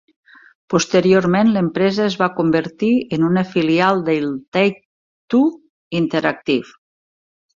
Posteriorment l'empresa es va convertir en una filial de Take-Two Interactive.